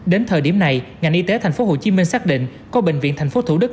đến thời điểm này ngành y tế tp hcm xác định có bệnh viện tp thủ đức